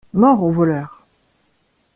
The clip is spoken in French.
Mort aux voleurs!